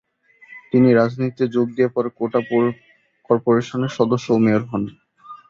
তিনি রাজনীতিতে যোগ দিয়ে পরে কোটা পৌর কর্পোরেশনের সদস্য ও মেয়র হন।